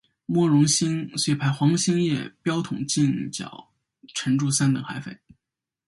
莫荣新遂派黄兴业标统进剿陈祝三等海匪。